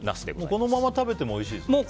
このまま食べてもおいしいですね。